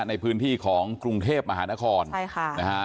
ในพื้นที่ของกรุงเทพมหานครใช่ค่ะนะฮะ